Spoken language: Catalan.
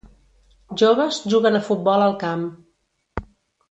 Joves juguen a futbol al camp.